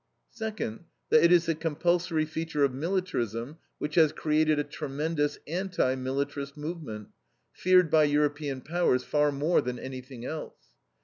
Second, that it is the compulsory feature of militarism which has created a tremendous anti militarist movement, feared by European Powers far more than anything else.